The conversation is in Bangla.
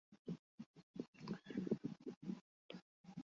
সিঙ্গাপুরে রুটিং-এর আইনি ভাবে অনুমোদন রয়েছে যদি তা কপি রাইট আইন ভঙ্গ না করে।